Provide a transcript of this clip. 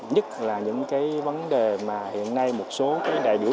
nhất là những vấn đề mà hiện nay một số đại biểu đặt ra mà các bộ trưởng